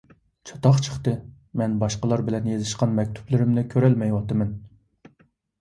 چاتاق چىقتى. مەن باشقىلار بىلەن يېزىشقان مەكتۇپلىرىمنى كۆرەلمەيۋاتىمەن.